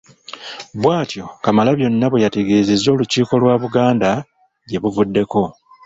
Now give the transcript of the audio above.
Bw’atyo Kamalabyonna bwe yategeeza Olukiiko lwa Buganda gye buvuddeko.